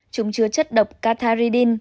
chúng chứa chất độc catharidin